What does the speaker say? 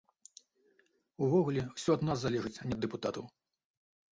Увогуле ўсё ад нас залежыць, а не ад дэпутатаў.